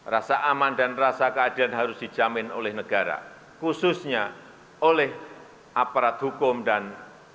rasa aman dan rasa keadilan harus dijamin oleh negara khususnya oleh aparat hukum dan